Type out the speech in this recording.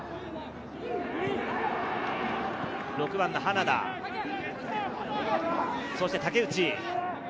６番・花田、そして竹内。